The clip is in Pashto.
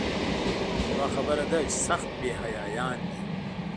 یوه خبره ده چې سخت بې حیایان دي.